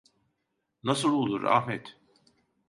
Nasıl olur Ahmet?